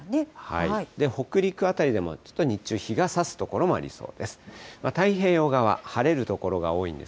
北陸辺りでもちょっと日中、日がさす所もありそうです。